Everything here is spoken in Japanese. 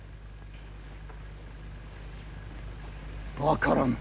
分からん。